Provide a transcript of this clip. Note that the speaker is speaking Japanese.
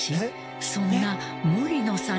そんな森野さん